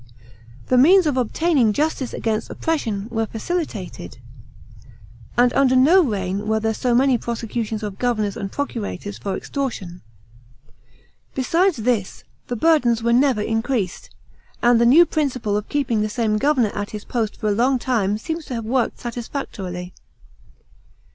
The means of obtaining justice against oppression were facilitated, and under no reign were there so many prosecutions of governors and procurators for extortion. Besides this, the burdens were never increased; and the new principle of keeping the same governor at his post for a long time seems to have worked satisfactorily.